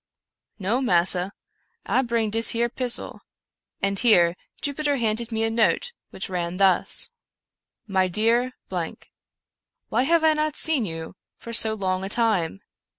" No, massa, I bring dis here pissel ;" and here Jupiter handed me a note which ran thus :" My Dear " Why have I not seen you for so long a time